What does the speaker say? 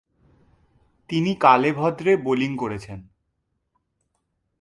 তিনি কালেভদ্রে বোলিং করেছেন।